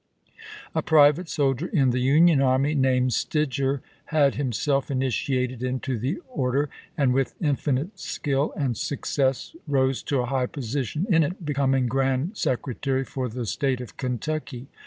A private soldier m the General. Union army, named Stidger, had himself initiated into the order, and with infinite skill and success rose to a high position in it, becoming Grand Secretary for the State of Kentucky.